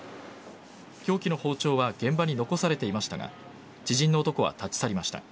凶器の包丁は現場に残されていましたが知人の男は立ち去りました。